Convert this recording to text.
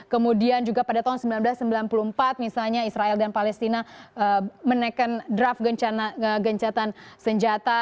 kemudian juga pada tahun seribu sembilan ratus sembilan puluh empat misalnya israel dan palestina menaikkan draft gencatan senjata